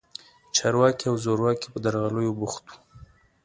چارواکي او زورواکي په درغلیو بوخت وو.